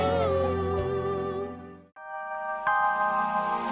semua untuk satu